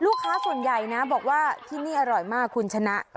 ลูกค้าส่วนใหญ่นะบอกว่าที่นี่อร่อยมากคุณชนะ